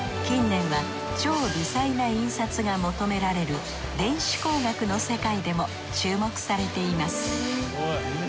近年は超微細な印刷が求められる電子工学の世界でも注目されています。